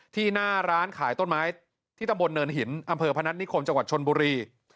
หน้าร้านขายต้นไม้ที่ตำบลเนินหินอำเภอพนัฐนิคมจังหวัดชนบุรี